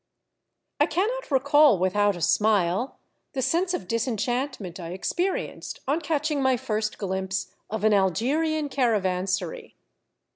I CANNOT recall without a smile the sense of dis enchantment I experienced on catching my first glimpse of an Algerian caravansary.